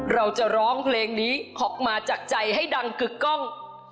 เราจะร้องเพลงนี้ออกมาจากใจให้ดังกึกกล้อง